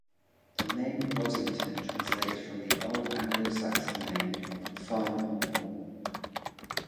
The name Rossington translates from the old Anglo-Saxon name of 'Farm on the Moor'.